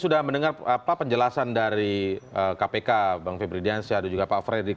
ada kependapatan berbeda dari jokowi dan jokowi